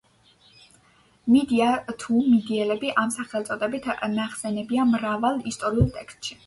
მიდია თუ მიდიელები ამ სახელწოდებით ნახსენებია მრავალ ისტორიულ ტექსტში.